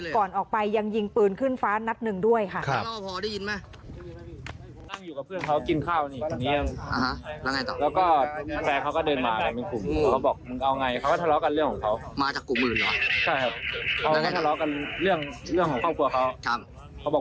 ก่อนออกไปยังยิงปืนขึ้นฟ้านัดหนึ่งด้วยค่ะ